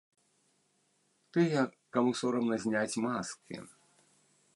Тыя, каму сорамна зняць маскі.